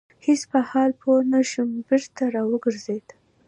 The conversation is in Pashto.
هیڅ په حال پوه نه شو بېرته را وګرځيده.